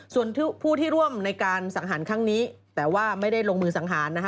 ส่วนผู้ที่ร่วมในการสังหารครั้งนี้แต่ว่าไม่ได้ลงมือสังหารนะฮะ